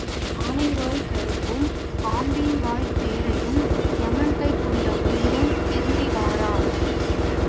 ஆனைவாய்க் கரும்பும் பாம்பின் வாய்த் தேரையும் யமன்கைக் கொண்ட உயிரும் திரும்பி வரா.